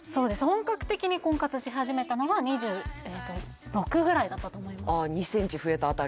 本格的に婚活し始めたのは２６ぐらいだったと思います